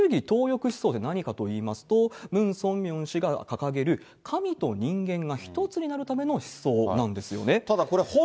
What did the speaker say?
この神主義・頭翼思想というのは、何かといいますと、ムン・ソンミョン氏が掲げる、神と人間が一つになるための思想なんですよね。